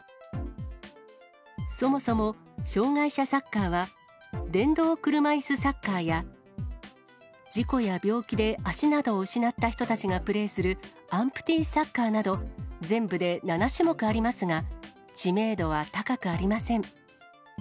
そもそも障がい者サッカーは、電動車椅子サッカーや事故や病気で足などを失った人たちがプレーするアンプティサッカーなど全部で７種目ありますが、知名度は高くありません。